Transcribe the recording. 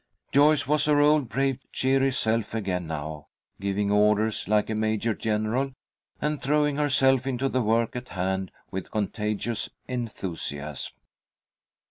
Joyce was her old brave, cheery self again now, giving orders like a major general, and throwing herself into the work at hand with contagious enthusiasm.